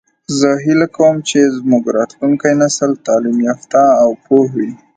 زه هیله کوم چې زموږ راتلونکی نسل تعلیم یافته او پوه وي